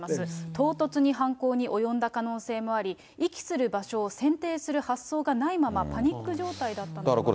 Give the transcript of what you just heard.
唐突に犯行に及んだ可能性もあり、遺棄する場所を選定する発想がないまま、パニック状態だったのではないかと。